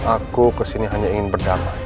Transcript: aku ke sini hanya ingin berdamai